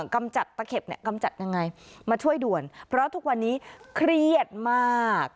กำจัดตะเข็บเนี่ยกำจัดยังไงมาช่วยด่วนเพราะทุกวันนี้เครียดมาก